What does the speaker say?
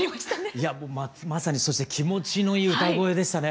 いやもうまさにそして気持ちのいい歌声でしたね。